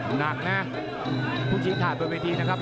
หนักนะผู้ชิงถ่ายบนเวทีนะครับ